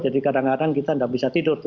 jadi kadang kadang kita tidak bisa tidur